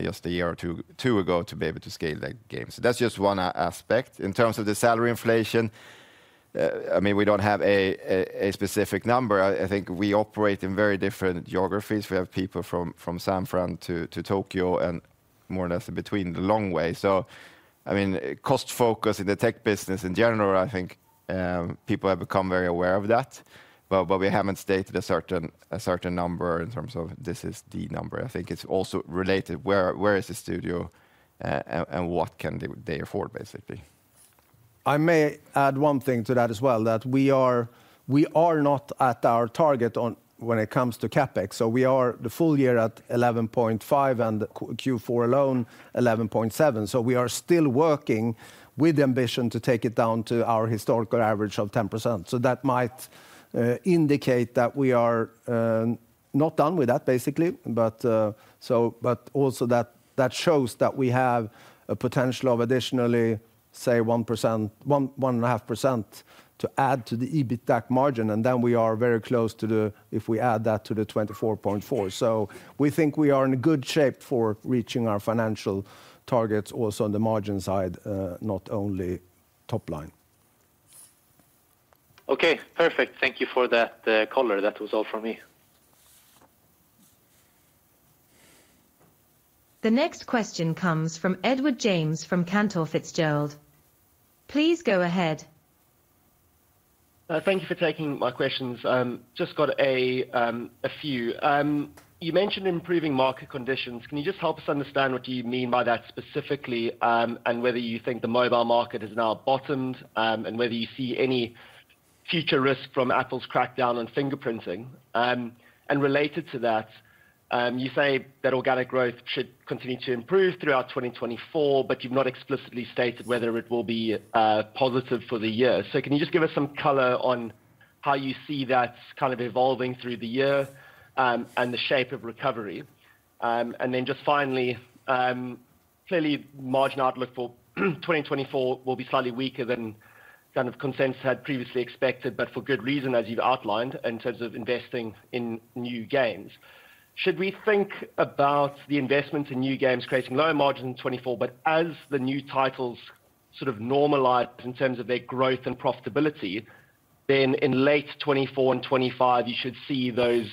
just a year or two ago to be able to scale that game. So that's just one aspect. In terms of the salary inflation, I mean, we don't have a specific number. I think we operate in very different geographies. We have people from San Fran to Tokyo, and more or less in between, the long way. So, I mean, cost focus in the tech business in general, I think, people have become very aware of that. But we haven't stated a certain number in terms of this is the number. I think it's also related, where is the studio, and what can they afford, basically. I may add one thing to that as well, that we are not at our target on, when it comes to CapEx. So we are the full year at 11.5%, and Q4 alone, 11.7%. So we are still working with the ambition to take it down to our historical average of 10%. So that might indicate that we are not done with that, basically. But, so, but also that shows that we have a potential of additionally, say, 1%-1.5% to add to the EBITDA margin, and then we are very close to the, if we add that to the 24.4%. So we think we are in a good shape for reaching our financial targets also on the margin side, not only top line. Okay, perfect. Thank you for that, color. That was all from me. The next question comes from Edward James, from Cantor Fitzgerald. Please go ahead. Thank you for taking my questions. Just got a few. You mentioned improving market conditions. Can you just help us understand what you mean by that specifically, and whether you think the mobile market is now bottomed, and whether you see any future risk from Apple's crackdown on fingerprinting? And related to that, you say that organic growth should continue to improve throughout 2024, but you've not explicitly stated whether it will be positive for the year. So can you just give us some color on how you see that kind of evolving through the year, and the shape of recovery? And then just finally, clearly, margin outlook for 2024 will be slightly weaker than kind of consensus had previously expected, but for good reason, as you've outlined, in terms of investing in new games. Should we think about the investment in new games creating lower margin in 2024, but as the new titles sort of normalize in terms of their growth and profitability, then in late 2024 and 2025, you should see those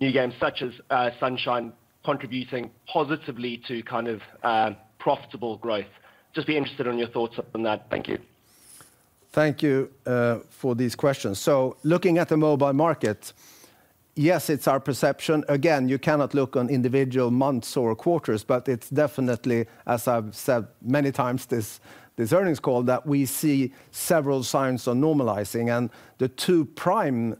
new games, such as, Sunshine, contributing positively to kind of, profitable growth? Just be interested on your thoughts on that. Thank you. Thank you, for these questions. So looking at the mobile market, yes, it's our perception. Again, you cannot look on individual months or quarters, but it's definitely, as I've said many times, this, this earnings call, that we see several signs on normalizing. And the two prime,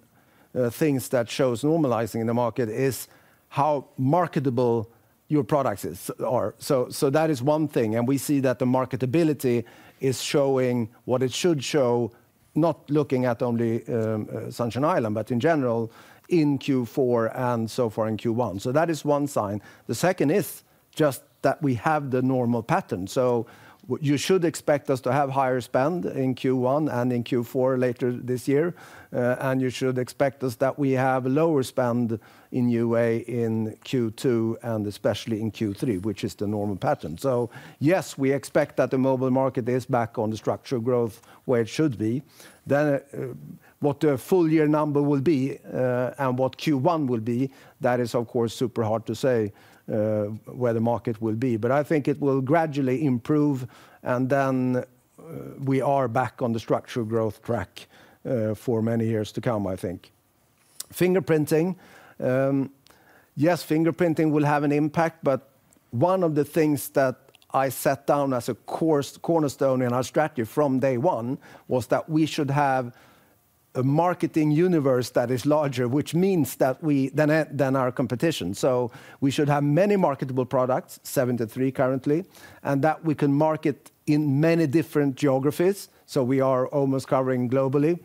things that shows normalizing in the market is how marketable your products is, are. So, so that is one thing, and we see that the marketability is showing what it should show, not looking at only, Sunshine Island, but in general, in Q4 and so far in Q1. So that is one sign. The second is just that we have the normal pattern. So you should expect us to have higher spend in Q1 and in Q4 later this year, and you should expect us that we have lower spend in UA in Q2, and especially in Q3, which is the normal pattern. So yes, we expect that the mobile market is back on the structural growth where it should be. Then, what the full year number will be, and what Q1 will be, that is, of course, super hard to say, where the market will be. But I think it will gradually improve, and then, we are back on the structural growth track, for many years to come, I think. Fingerprinting, yes, fingerprinting will have an impact, but one of the things that I set down as a cornerstone in our strategy from day one was that we should have a marketing universe that is larger than our competition. So we should have many marketable products, 73 currently, and that we can market in many different geographies, so we are almost covering globally.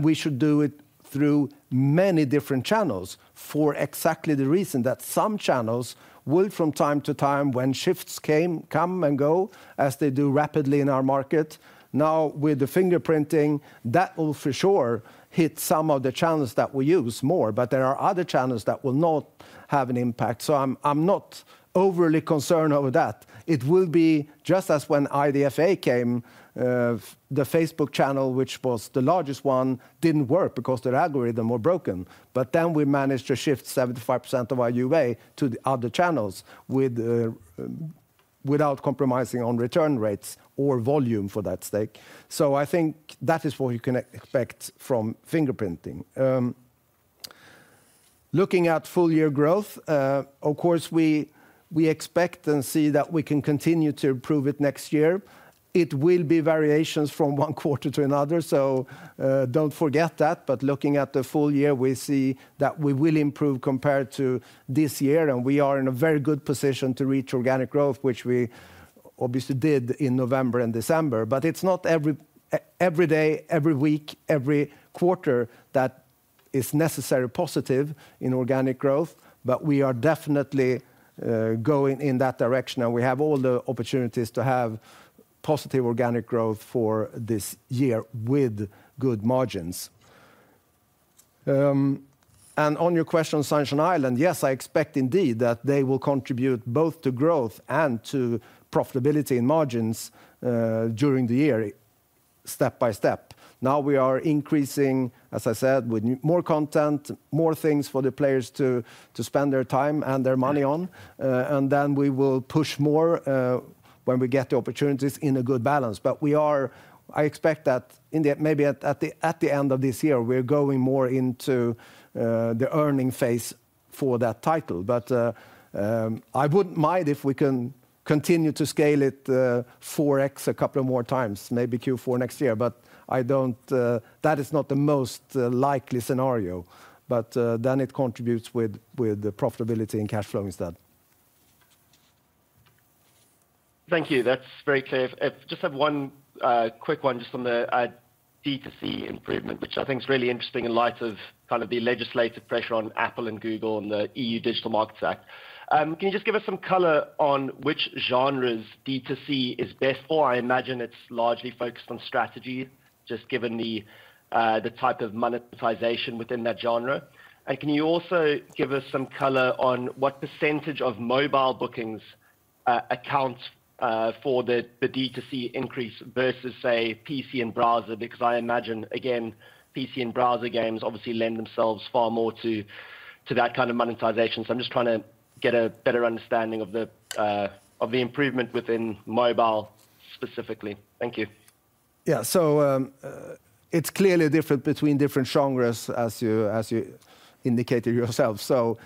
We should do it through many different channels for exactly the reason that some channels will, from time to time, when shifts came, come and go, as they do rapidly in our market. Now, with the fingerprinting, that will for sure hit some of the channels that we use more, but there are other channels that will not have an impact. So I'm not overly concerned over that. It will be just as when IDFA came, the Facebook channel, which was the largest one, didn't work because their algorithm were broken. But then we managed to shift 75% of our UA to the other channels with, without compromising on return rates or volume, for that sake. So I think that is what you can expect from fingerprinting. Looking at full year growth, of course, we expect and see that we can continue to improve it next year. It will be variations from one quarter to another, so, don't forget that. But looking at the full year, we see that we will improve compared to this year, and we are in a very good position to reach organic growth, which we... Obviously did in November and December, but it's not every day, every week, every quarter that is necessarily positive in organic growth. But we are definitely going in that direction, and we have all the opportunities to have positive organic growth for this year with good margins. And on your question on Sunshine Island, yes, I expect indeed that they will contribute both to growth and to profitability and margins during the year, step by step. Now we are increasing, as I said, with more content, more things for the players to spend their time and their money on. And then we will push more when we get the opportunities in a good balance. But we are. I expect that maybe at the end of this year, we're going more into the earning phase for that title. But I wouldn't mind if we can continue to scale it 4x a couple of more times, maybe Q4 next year. But that is not the most likely scenario, but then it contributes with the profitability and cash flow instead. Thank you. That's very clear. Just have one quick one, just on the D2C improvement, which I think is really interesting in light of kind of the legislative pressure on Apple and Google and the E.U. Digital Markets Act. Can you just give us some color on which genres D2C is best for? I imagine it's largely focused on strategy, just given the type of monetization within that genre. And can you also give us some color on what percentage of mobile bookings account for the D2C increase versus, say, PC and browser? Because I imagine, again, PC and browser games obviously lend themselves far more to that kind of monetization. So I'm just trying to get a better understanding of the improvement within mobile specifically. Thank you. Yeah. So, it's clearly different between different genres as you indicated yourself. So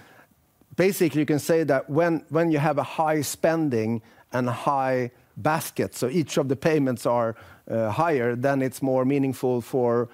basically, you can say that when you have a high spending and high basket, so each of the payments are higher, then it's more meaningful for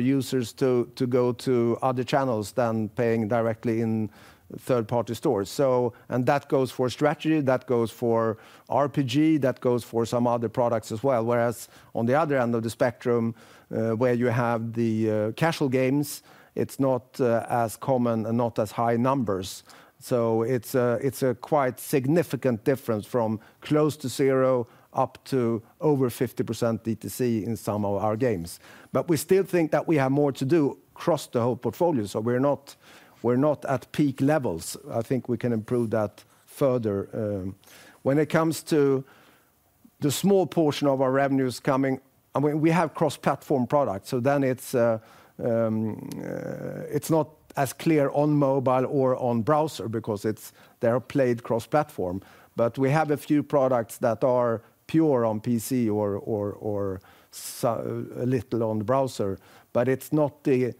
users to go to other channels than paying directly in third-party stores. So, and that goes for strategy, that goes for RPG, that goes for some other products as well. Whereas on the other end of the spectrum, where you have the casual games, it's not as common and not as high numbers. So it's a quite significant difference from close to zero up to over 50% D2C in some of our games. But we still think that we have more to do across the whole portfolio, so we're not at peak levels. I think we can improve that further. When it comes to the small portion of our revenues coming, I mean, we have cross-platform products, so then it's, it's not as clear on mobile or on browser because it's, they are played cross-platform. But we have a few products that are pure on PC or so a little on the browser, but it's not the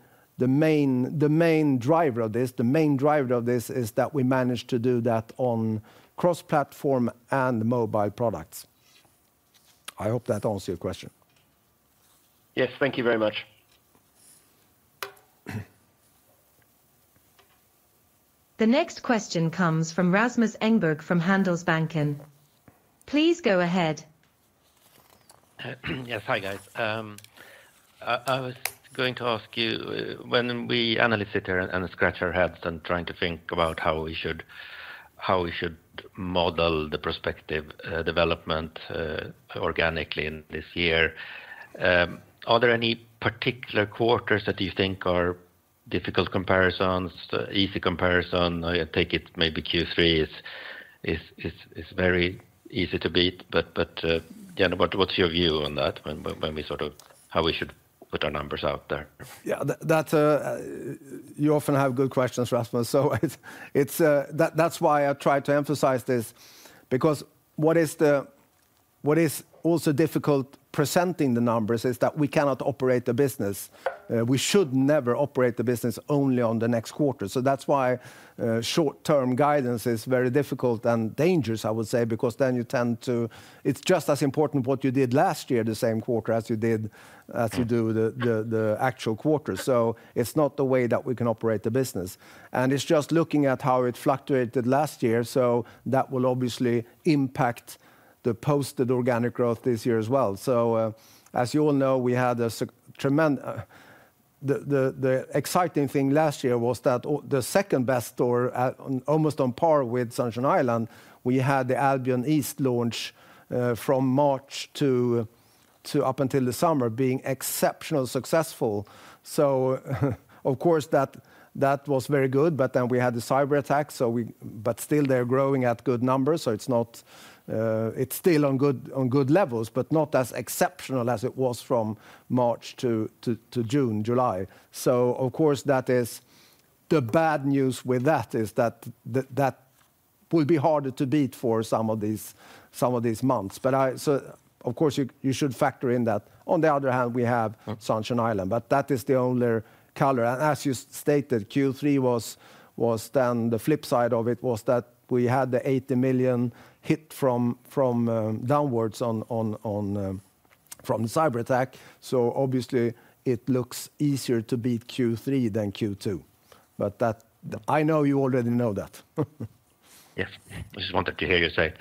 main driver of this. The main driver of this is that we managed to do that on cross-platform and mobile products. I hope that answers your question. Yes, thank you very much. The next question comes from Rasmus Engberg, from Handelsbanken. Please go ahead. Yes. Hi, guys. I was going to ask you, when we analysts sit here and scratch our heads and trying to think about how we should model the prospective development organically in this year, are there any particular quarters that you think are difficult comparisons, easy comparison? I take it maybe Q3 is very easy to beat. But yeah, what's your view on that, when we sort of how we should put our numbers out there? Yeah, that, that's, you often have good questions, Rasmus, so it's, it's, that, that's why I try to emphasize this, because what is the, what is also difficult presenting the numbers is that we cannot operate the business. We should never operate the business only on the next quarter. So that's why, short-term guidance is very difficult and dangerous, I would say, because then you tend to, it's just as important what you did last year, the same quarter as you did, to do the, the, the actual quarter. So it's not the way that we can operate the business, and it's just looking at how it fluctuated last year. So that will obviously impact the posted organic growth this year as well. So, as you all know, the exciting thing last year was that the second best store, almost on par with Sunshine Island, we had the Albion East launch from March up until the summer, being exceptionally successful. So of course, that was very good, but then we had the cyberattack, but still they're growing at good numbers, so it's not, it's still on good levels, but not as exceptional as it was from March to June, July. So of course, that is the bad news with that, is that that will be harder to beat for some of these months. So of course, you should factor in that. On the other hand, we have Sunshine Island, but that is the only color. As you stated, Q3 was then the flip side of it, that we had the 80 million hit from downwards on revenue from the cyberattack, so obviously it looks easier to beat Q3 than Q2, but that, I know you already know that. Yes. I just wanted to hear you say.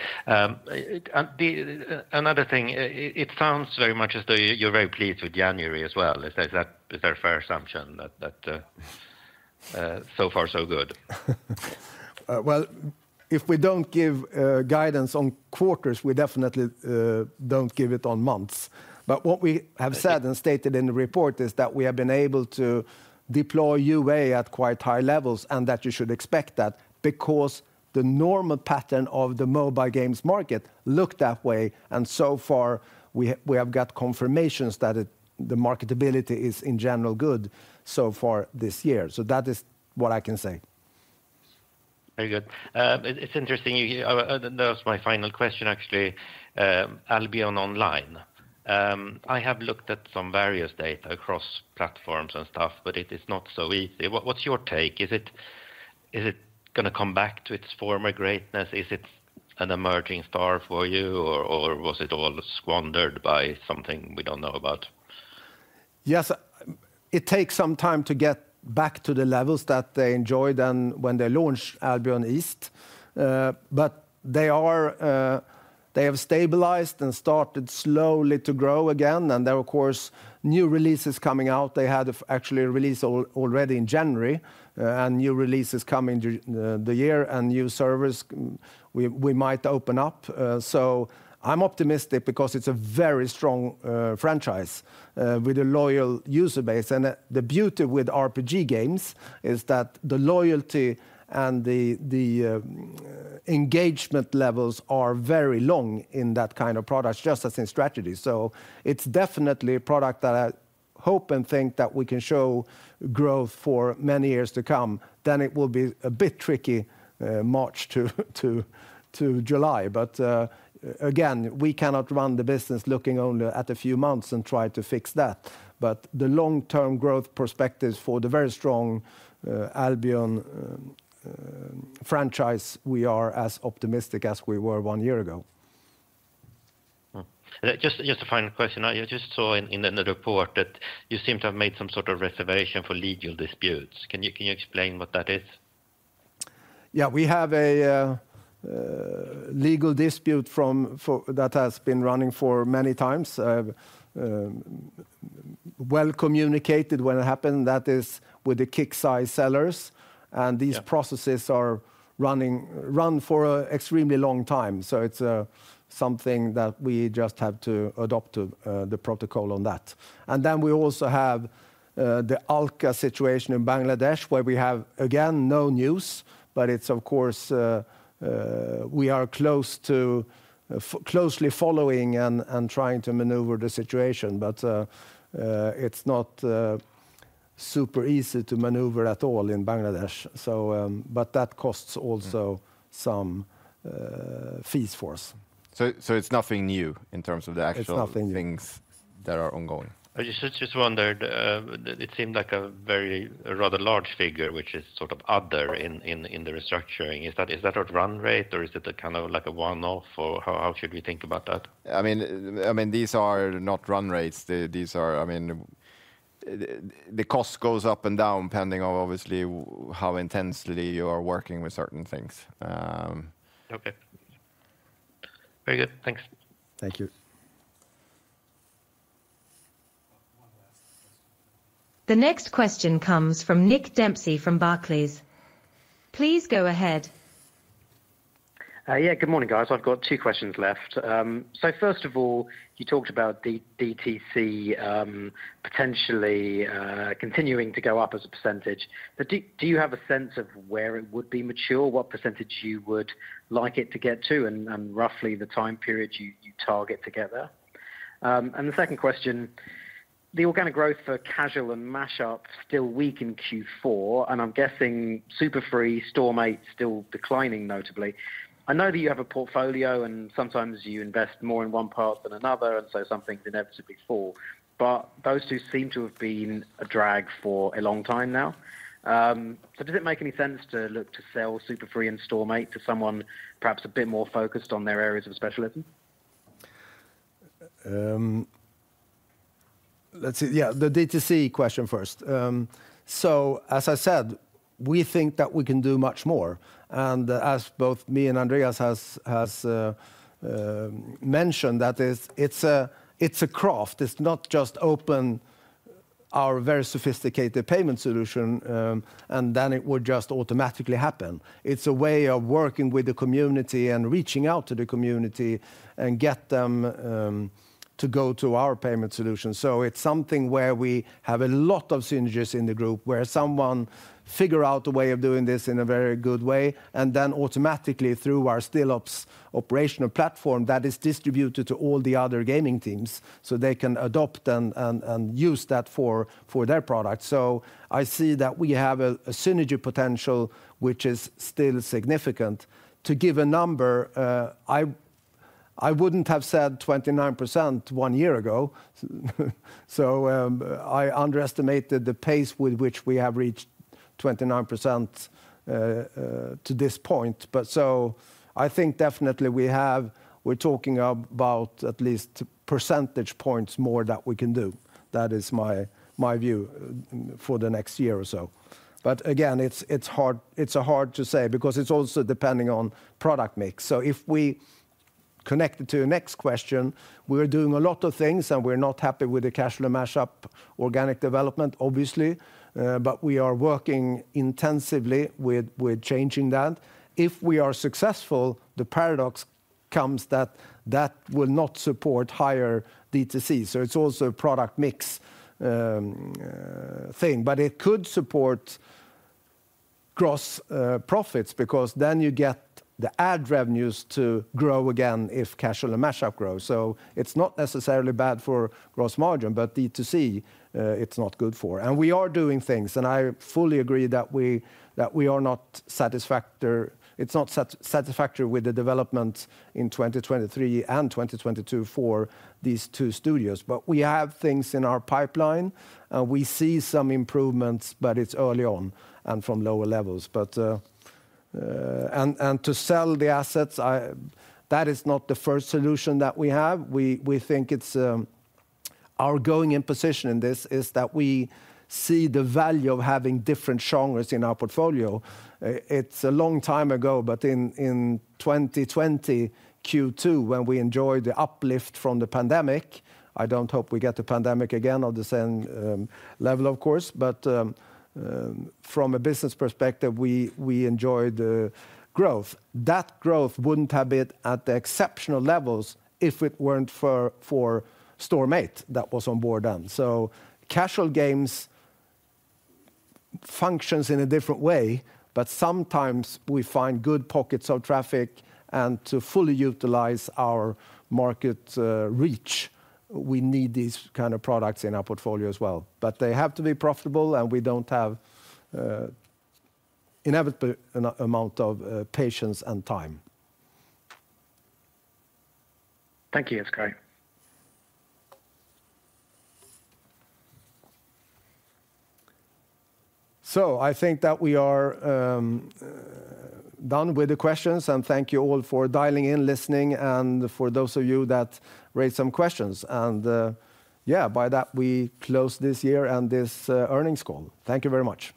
Another thing, it sounds very much as though you're very pleased with January as well. Is that a fair assumption that so far so good? Well, if we don't give guidance on quarters, we definitely don't give it on months. But what we have said and stated in the report is that we have been able to deploy UA at quite high levels, and that you should expect that because the normal pattern of the mobile games market look that way, and so far we have, we have got confirmations that it, the marketability is, in general, good so far this year. So that is what I can say. Very good. It's interesting you—that was my final question, actually, Albion Online. I have looked at some various data across platforms and stuff, but it is not so easy. What's your take? Is it gonna come back to its former greatness? Is it an emerging star for you, or was it all squandered by something we don't know about? Yes. It takes some time to get back to the levels that they enjoyed and when they launched Albion East. But they are, they have stabilized and started slowly to grow again, and, of course, new releases coming out. They had actually a release already in January, and new releases coming during the year, and new servers we might open up. So I'm optimistic because it's a very strong franchise with a loyal user base. And the beauty with RPG games is that the loyalty and the engagement levels are very long in that kind of product, just as in strategy. So it's definitely a product that I hope and think that we can show growth for many years to come, then it will be a bit tricky, March to July. Again, we cannot run the business looking only at a few months and try to fix that. The long-term growth perspectives for the very strong Albion franchise, we are as optimistic as we were one year ago. Mm-hmm. Just a final question. I just saw in the report that you seem to have made some sort of reservation for legal disputes. Can you explain what that is? Yeah. We have a legal dispute that has been running for many times, well communicated when it happened, that is with the KIXEYE sellers. Yeah. These processes are running for an extremely long time. So it's something that we just had to adapt to the protocol on that. And then we also have the Ulka situation in Bangladesh, where we have, again, no news, but it's of course we are closely following and trying to maneuver the situation, but it's not super easy to maneuver at all in Bangladesh. So, but that costs also some fees for us. So, it's nothing new in terms of the actual- It's nothing new.... things that are ongoing. I just wondered, it seemed like a very rather large figure, which is sort of other in the restructuring. Is that a run rate, or is it a kind of like a one-off, or how should we think about that? I mean, these are not run rates. These are, I mean, the cost goes up and down, depending on obviously with how intensely you are working with certain things. Okay. Very good. Thanks. Thank you. The next question comes from Nick Dempsey from Barclays. Please go ahead. Yeah, good morning, guys. I've got two questions left. So first of all, you talked about the DTC potentially continuing to go up as a percentage. But do, do you have a sense of where it would be mature, what percentage you would like it to get to, and, and roughly the time period you, you target to get there? And the second question: the organic growth for casual and mashup still weak in Q4, and I'm guessing Super Free, Storm8 still declining notably. I know that you have a portfolio, and sometimes you invest more in one part than another, and so some things inevitably fall. But those two seem to have been a drag for a long time now. Does it make any sense to look to sell Super Free and Storm8 to someone perhaps a bit more focused on their areas of specialism? Let's see. Yeah, the DTC question first. So as I said, we think that we can do much more, and as both me and Andreas has mentioned, that is, it's a craft. It's not just open our very sophisticated payment solution, and then it would just automatically happen. It's a way of working with the community and reaching out to the community and get them to go to our payment solution. So it's something where we have a lot of synergies in the group, where someone figure out a way of doing this in a very good way, and then automatically, through our Stillops operational platform, that is distributed to all the other gaming teams, so they can adopt and use that for their products. I see that we have a synergy potential, which is still significant. To give a number, I wouldn't have said 29% one year ago, so I underestimated the pace with which we have reached 29% to this point. But I think definitely we're talking about at least percentage points more that we can do. That is my view for the next year or so. But again, it's hard to say because it's also depending on product mix. So if we connect it to the next question, we're doing a lot of things, and we're not happy with the casual mashup organic development, obviously, but we are working intensively with changing that. If we are successful, the paradox comes that that will not support higher D2C, so it's also a product mix, thing. But it could support gross profits because then you get the ad revenues to grow again if casual and mashup grow. So it's not necessarily bad for gross margin, but D2C, it's not good for. And we are doing things, and I fully agree that we, that we are not—it's not satisfactory with the development in 2023 and 2022 for these two studios. But we have things in our pipeline, and we see some improvements, but it's early on and from lower levels. And to sell the assets, that is not the first solution that we have. We think it's our going in position in this is that we see the value of having different genres in our portfolio. It's a long time ago, but in 2020 Q2, when we enjoyed the uplift from the pandemic, I don't hope we get the pandemic again on the same level, of course, but from a business perspective, we enjoyed the growth. That growth wouldn't have been at the exceptional levels if it weren't for Storm8 that was on board then. So casual games functions in a different way, but sometimes we find good pockets of traffic, and to fully utilize our market reach, we need these kind of products in our portfolio as well. But they have to be profitable, and we don't have inevitable amount of patience and time. Thank you for your time. So I think that we are done with the questions, and thank you all for dialing in, listening, and for those of you that raised some questions. And, yeah, by that, we close this year and this earnings call. Thank you very much.